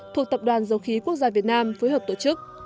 thuộc tập đoàn dầu khí quốc gia việt nam phối hợp tổ chức